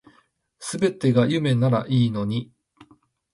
全てが夢ならいいのに